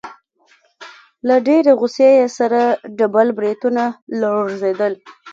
له ډېرې غوسې يې سره ډبل برېتونه لړزېدل.